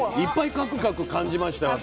「カクカク」感じました私。